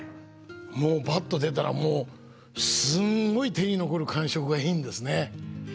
もうバット出たらすんごい手に残る感触がいいんですね。